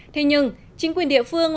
thế nhưng chính quyền địa phương